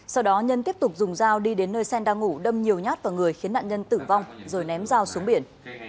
sau đó nhân tiếp tục dùng dao đi đến nơi sen đang ngủ đâm nhiều nhát vào người khiến nạn nhân tử vong rồi ném dao xuống biển